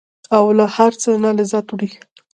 او له هر څه نه لذت وړي.